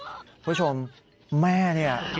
คุณผู้ชมแม่เนี่ย